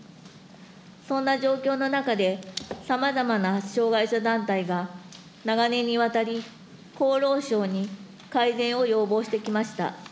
そんな状況の中で、さまざまな障害者団体が、長年にわたり、厚労省に改善を要望してきました。